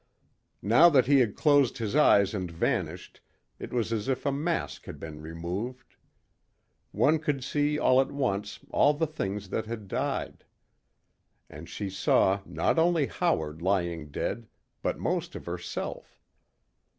Now that he had closed his eyes and vanished it was as if a mask had been removed. One could see all at once all the things that had died. And she saw not only Howard lying dead, but most of herself.